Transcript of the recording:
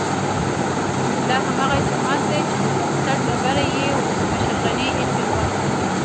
دا هماغه جومات دی چې د بنسټ ډبره یې ولسمشر غني ايښې وه